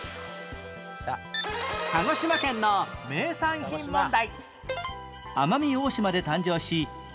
鹿児島県の名産品問題